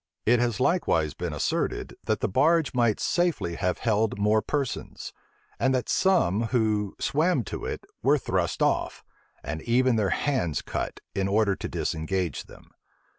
It has likewise been asserted, that the barge might safely have held more persons, and that some who swam to it were thrust off, and even their hands cut, in order to disengage them.